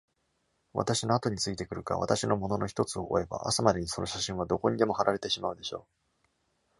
私の後についてくるか、私のものの一つを追えば、朝までにその写真はどこにでも貼られてしまうでしょう。